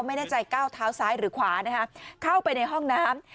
ไม่แน่ใจก้าวเท้าซ้ายหรือขวานะคะเข้าไปในห้องน้ำ